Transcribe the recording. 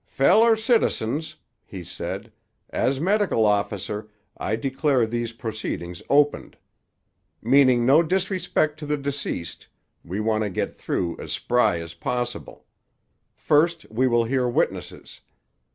"Feller citizens," he said, "as medical officer I declare these proceedings opened. Meaning no disrespect to the deceased, we want to get through as spry as possible. First we will hear witnesses.